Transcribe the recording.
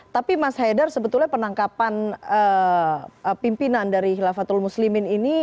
tapi mas haidar sebetulnya penangkapan pimpinan dari hilafatul muslimin ini